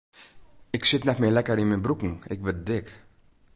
Ik sit net mear lekker yn myn broeken, ik wurd dik.